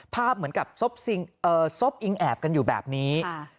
ภาพเหมือนกับซบอิงแอบกันอยู่แบบนี้